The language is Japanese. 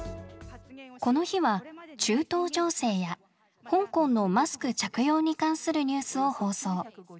この日は中東情勢や香港のマスク着用に関するニュースを放送。